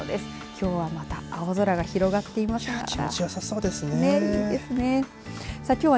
きょうはまた青空が広がっていますから。